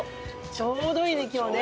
ちょうどいいね今日ね。